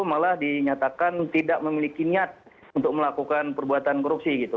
malah dinyatakan tidak memiliki niat untuk melakukan perbuatan korupsi gitu